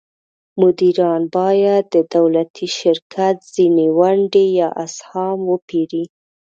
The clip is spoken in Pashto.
مدیران باید د دولتي شرکت ځینې ونډې یا اسهام وپیري.